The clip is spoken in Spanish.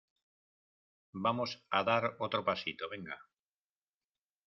vamos a dar otro pasito, venga.